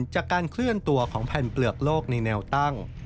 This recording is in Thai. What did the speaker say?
จากการเคลื่อนตัวของแผ่นเปลือกโลกในแนวตั้ง